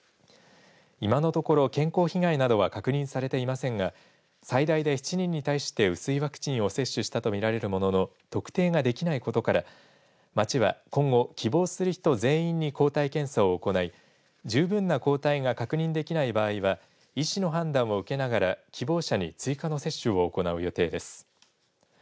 今のところ健康被害などは確認されていませんが最大で７人に対して薄いワクチンを接種したとみられるものの特定ができないことから町は今後希望する人全員に抗体検査を行い十分な抗体が確認できない場合は医師の判断を受けながら希望者に追加の接種を行う予定です。